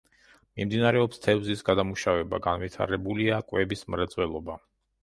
მიმდინარეობს თევზის გადამუშავება, განვითარებულია კვების მრეწველობა.